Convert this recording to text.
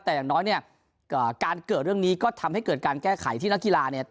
แต่อย่างน้อยเนี่ยการเกิดเรื่องนี้ก็ทำให้เกิดการแก้ไขที่นักกีฬาเนี่ย